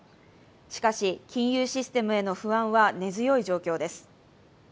しかし、金融システムへの不安は根強い状況です。